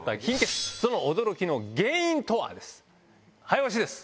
早押しです。